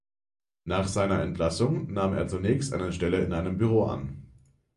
Nach seiner Entlassung nahm er zunächst eine Stelle in einem Büro an.